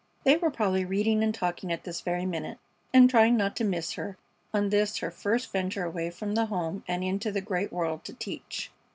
They were probably reading and talking at this very minute, and trying not to miss her on this her first venture away from the home into the great world to teach.